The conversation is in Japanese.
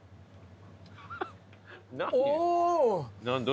何？